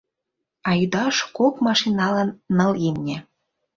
А ӱдаш кок машиналан ныл имне.